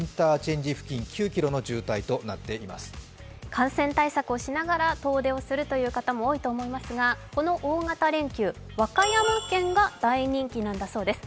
感染対策をしながら遠出をするという方も多いと思いますがこの大型連休、和歌山県が大人気なんだそうです。